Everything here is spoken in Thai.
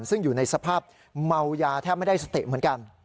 ซึ่งอยู่ในสภาพเมายาแทบไม่ได้สติเหมือนกัน